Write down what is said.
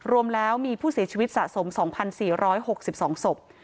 รวมแล้วมีผู้เสียชีวิตสะสม๒๔๖๒ศพ